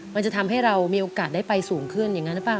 มันจะทำให้เรามีโอกาสได้ไปสูงขึ้นอย่างนั้นหรือเปล่า